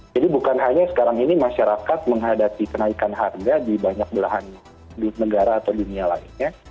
jadi bukan hanya sekarang ini masyarakat menghadapi kenaikan harga di banyak belahan negara atau dunia lainnya